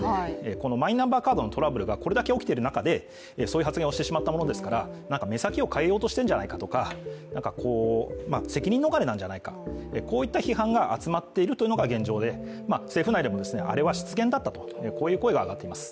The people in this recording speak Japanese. このマイナンバーカードのトラブルがこれだけ起きている中でそういう発言をしてしまったものですから、目先を変えようとしてるんじゃないかとか責任逃れなんじゃないかといった声が集まっているわけで政府内でも、あれは失言だったとこういう声が上がっています。